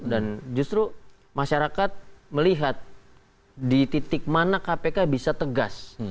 dan justru masyarakat melihat di titik mana kpk bisa tegas